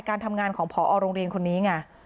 การทำงานของพอโรงเรียนคนนี้ไง